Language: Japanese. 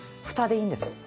フタでいいんです。